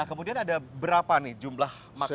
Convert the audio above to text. nah kemudian ada berapa nih jumlah makam ini